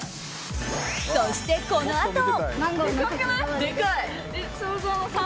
そして、このあと。